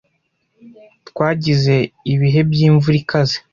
Twagize ibihe by'imvura ikaze.